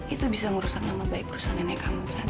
itu bisa ngerusak nama baik perusahaan nenek kamu sat